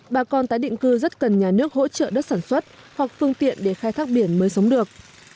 bà con tái định cư rất cần nhà nước hỗ trợ đất sản xuất hoặc phương tiện để khai thác biển mới sống được